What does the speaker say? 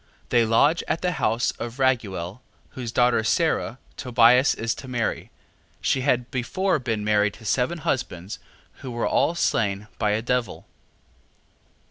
They lodge at the house of Raguel, whose daughter Sara, Tobias is to marry; she had before been married to seven husbands, who were all slain by a devil.